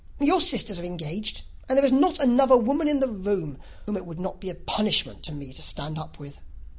Your sisters are engaged, and there is not another woman in the room whom it would not be a punishment to me to stand up with."